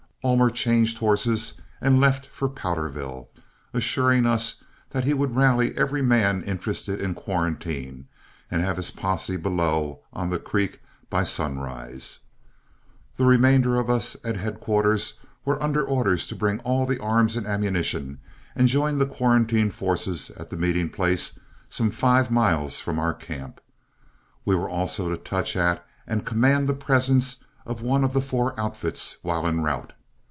Ullmer changed horses and left for Powderville, assuring us that he would rally every man interested in quarantine, and have his posse below, on the creek by sunrise. The remainder of us at headquarters were under orders to bring all the arms and ammunition, and join the quarantine forces at the meeting place some five miles from our camp. We were also to touch at and command the presence of one of the four outfits while en route.